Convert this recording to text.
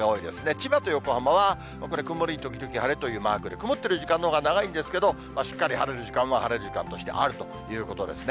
千葉と横浜はこれ、曇り時々晴れというマークで、曇ってる時間のほうが長いんですけど、しっかり晴れる時間も晴れる時間としてあるということですね。